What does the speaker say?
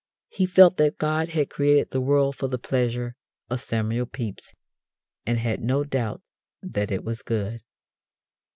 He felt that God had created the world for the pleasure of Samuel Pepys, and had no doubt that it was good.